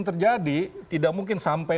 terjadi tidak mungkin sampai